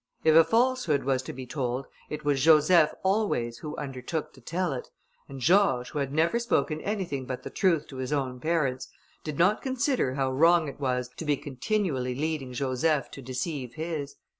If a falsehood was to be told, it was Joseph always who undertook to tell it, and George, who had never spoken anything but the truth to his own parents, did not consider how wrong it was to be continually leading Joseph to deceive his.